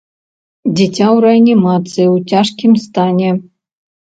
Дзіця ў рэанімацыі ў цяжкім стане.